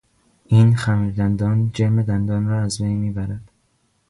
این خمیر دندان جرم دندان را از بین میبرد.